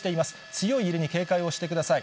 強い揺れに警戒をしてください。